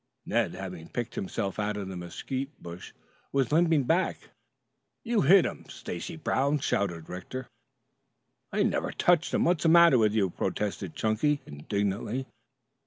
Ned, having picked himself out of the mesquite bush, was limping back. "You hit him, Stacy Brown!" shouted Rector. "I never touched him. What's the matter with you?" protested Chunky indignantly.